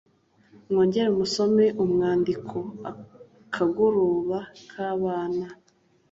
mwongere musome umwandiko “akagoroba k’abana”